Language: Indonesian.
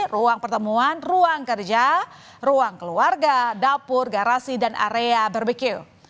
ruang pertemuan ruang kerja ruang keluarga dapur garasi dan area berbeque